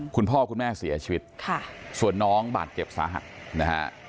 คุณพ่อคุณแม่เสียชีวิตค่ะส่วนน้องบาดเจ็บสาหัสนะฮะ